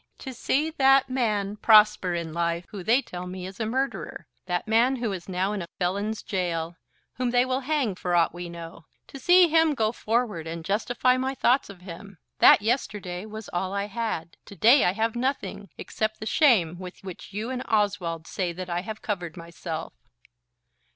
To see that man prosper in life, who they tell me is a murderer; that man who is now in a felon's gaol, whom they will hang for ought we know, to see him go forward and justify my thoughts of him! that yesterday was all I had. To day I have nothing, except the shame with which you and Oswald say that I have covered myself."